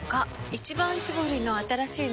「一番搾り」の新しいの？